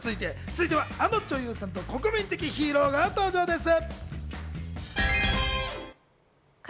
続いて、あの女優さんと国民的ヒーローが登場です。